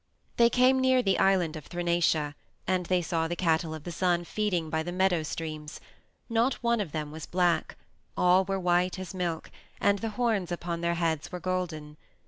They came near the Island of Thrinacia, and they saw the Cattle of the Sun feeding by the meadow streams; not one of them was black; all were white as milk, and the horns upon their heads were golden.